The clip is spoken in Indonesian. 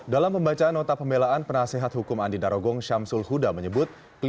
dalam pembacaan nota pembelaan penasehat hukum andi narogong syamsul huda menyebut